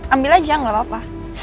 ambil aja nggak apa apa